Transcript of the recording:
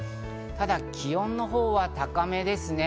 ただ気温のほうは高めですね。